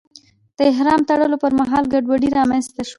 د احرام تړلو پر مهال ګډوډي رامنځته شوه.